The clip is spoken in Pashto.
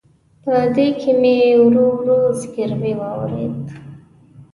په دې کې مې ورو ورو زګیروي واورېد.